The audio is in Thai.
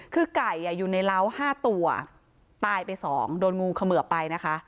คือไก่อ่ะอยู่ในเล้าห้าตัวตายไปสองโดนงูเขมือไปนะคะ